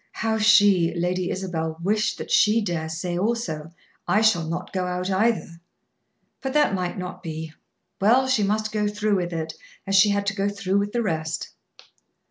How she, Lady Isabel, wished that she dare say, also, "I shall not go out either." But that might not be. Well, she must go through with it as she had to go through with the rest.